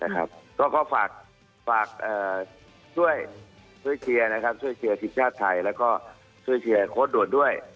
ก็ฝากช่วยเชียยสิทธิ์ชาติไทยโคตรด่วนด้วย